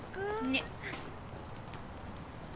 ねっ。